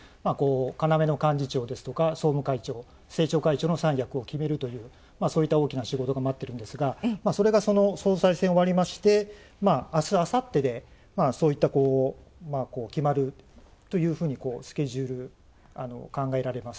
要の幹事長ですとか、総務会長、政調会長の三役を決めるという、そういった大きな仕事が待ってるんですがそれが、総裁選終わりまして、あす、あさってで決まるというふうにスケジュール、考えられます。